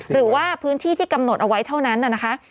หรือว่าพื้นที่ที่กำหนดเอาไว้เท่านั้นนะคะ